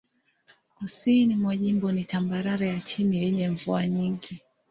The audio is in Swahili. Kusini mwa jimbo ni tambarare ya chini yenye mvua nyingi.